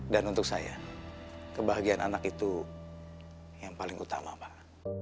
dan untuk saya kebahagiaan anak itu yang paling utama pak